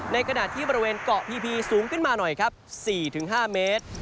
ในขณะที่บริเวณเกาะพีสูงขึ้นมาหน่อยครับ๔๕เมตร